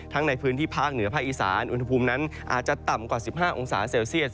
ในพื้นที่ภาคเหนือภาคอีสานอุณหภูมินั้นอาจจะต่ำกว่า๑๕องศาเซลเซียส